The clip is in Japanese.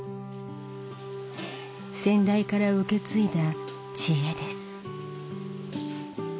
先代から受け継いだ知恵です。